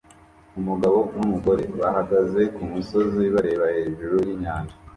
Umugabo numugore bahagaze kumusozi bareba hejuru yinyanja